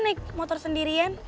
naik motor sendirian